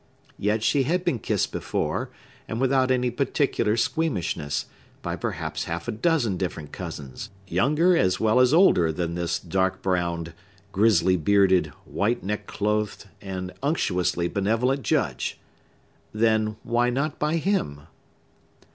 Yet she had been kissed before, and without any particular squeamishness, by perhaps half a dozen different cousins, younger as well as older than this dark browned, grisly bearded, white neck clothed, and unctuously benevolent Judge! Then, why not by him?